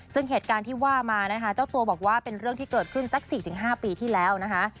ซึ่งเหตุการณ์ที่ว่ามานะคะเจ้าตัวบอกว่าเป็นเรื่องที่เกิดขึ้นสัก๔๕ปีที่แล้วนะคะ